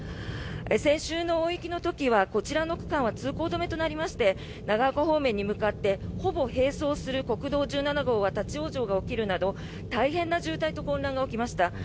先週の大雪の時はこちらの区間は通行止めとなりまして長岡方面に向かってほぼ並走する国道１７号は立ち往生が起きるなど大変な渋滞と混乱が起きました。